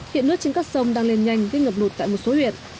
hiện nước trên các sông đang lên nhanh gây ngập lụt tại một số huyện